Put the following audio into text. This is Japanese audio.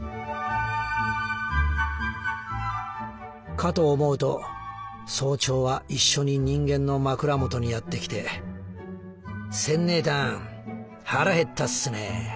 「かと思うと早朝は一緒に人間の枕元にやってきて『センねえたん！腹減ったっスね？